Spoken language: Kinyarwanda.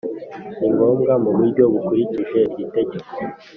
Ni ngombwa mu buryo bukurikije iri tegeko.